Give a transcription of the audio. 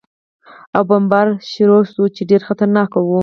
او بمبار پېل شو، چې ډېر خطرناک و.